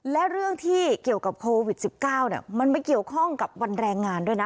และเรื่องที่เกี่ยวกับโควิด๑๙มันไม่เกี่ยวข้องกับวันแรงงานด้วยนะ